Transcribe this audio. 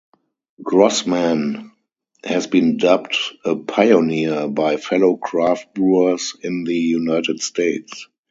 Grossman has been dubbed a "pioneer" by fellow craft brewers in the United States.